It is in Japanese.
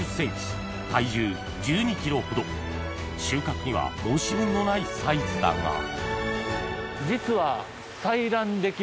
収穫には申し分のないサイズだが実は。